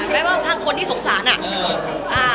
แม้ถ้าคนที่สงสารอะ